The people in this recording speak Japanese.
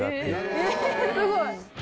えすごい！